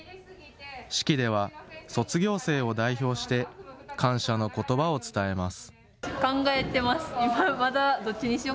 式では卒業生を代表して感謝のことばを伝えます。